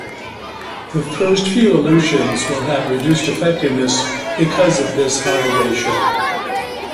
The first few elutions will have reduced effectiveness because of this high ratio.